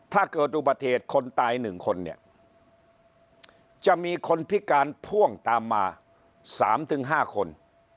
ถ้าเกิดอุบัติเหตุคนตายหนึ่งคนเนี่ยจะมีคนพิการพ่วงตามมาสามถึงห้าคน